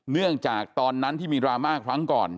เนื่องจากตอนนั้นที่มีดราม่าครั้งก่อน